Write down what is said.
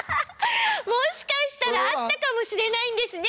もしかしたらあったかもしれないんですね